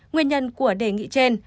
nguyên nhân của đề nghị trên